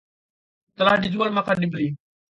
Telah dijual maka dibeli